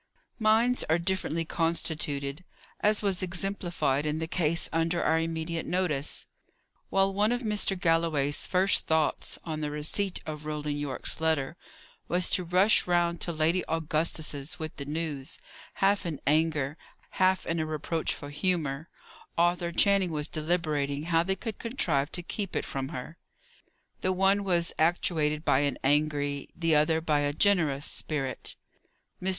Minds are differently constituted: as was exemplified in the case under our immediate notice. While one of Mr. Galloway's first thoughts, on the receipt of Roland Yorke's letter, was to rush round to Lady Augusta's with the news, half in anger, half in a reproachful humour, Arthur Channing was deliberating how they could contrive to keep it from her. The one was actuated by an angry, the other by a generous spirit. Mr.